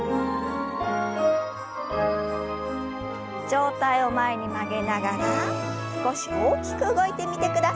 上体を前に曲げながら少し大きく動いてみてください。